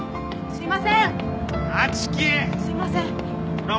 すいません！